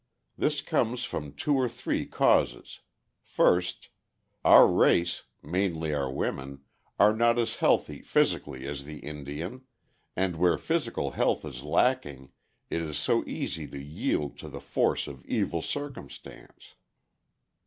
This comes from two or three causes. First: Our race, mainly our women, are not as healthy physically as the Indian, and where physical health is lacking it is so easy to yield to the force of evil circumstance.